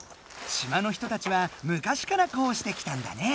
島の人たちはむかしからこうしてきたんだね！